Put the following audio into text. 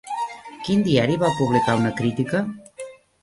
Quin diari va publicar una crítica?